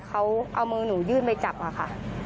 เขาเอามือหนูยื่นไปจับค่ะ